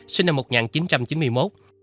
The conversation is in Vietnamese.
sinh năm một nghìn chín trăm chín mươi một